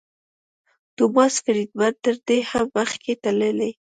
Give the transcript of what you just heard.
ټوماس فریډمن تر دې هم مخکې تللی.